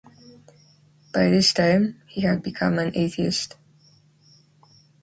By this time, he had become an atheist.